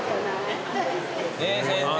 先生。